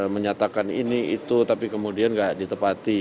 menyatakan ini itu tapi kemudian nggak ditepati